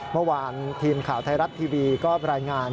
เมื่อวานทีมข่าวไทยรัฐทีวีก็รายงาน